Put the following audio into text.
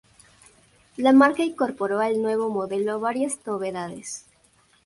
La marca incorporó al nuevo modelo varias novedades.